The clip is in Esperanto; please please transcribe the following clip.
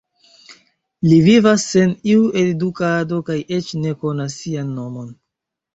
Li vivas sen iu edukado kaj eĉ ne konas sian nomon.